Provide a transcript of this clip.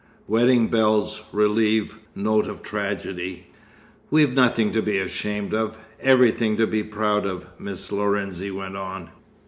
Wedding Bells Relieve Note of Tragedy." "We've nothing to be ashamed of everything to be proud of," Miss Lorenzi went on.